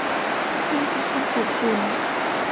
คุณเป็นคนอบอุ่น